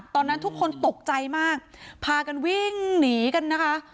ตอนนั้นทุกคนตกใจมากพากันวิ่งหนีกันนะคะ